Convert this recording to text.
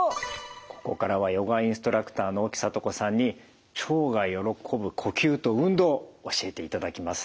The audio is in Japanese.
ここからはヨガインストラクターの沖知子さんに腸が喜ぶ呼吸と運動教えていただきます。